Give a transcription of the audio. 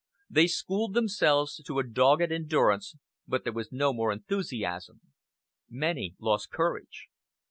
They schooled themselves to a dogged endurance, but there was no more enthusiasm. Many lost courage.